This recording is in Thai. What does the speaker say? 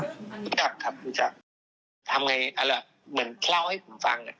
รู้จักครับรู้จักทำไงเอาล่ะเหมือนเล่าให้ผมฟังอ่ะ